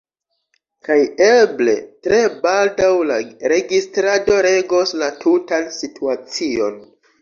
Kaj eble tre baldaŭ la registrado regos la tutan situacion